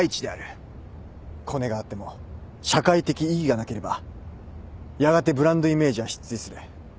コネがあっても社会的意義がなければやがてブランドイメージは失墜する。